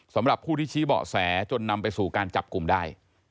สำหรับผู้ที่ชี้เบาะแสจนนำไปสู่การจับกลุ่มได้